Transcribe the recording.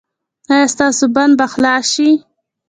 ایا ستاسو بند به خلاص شي؟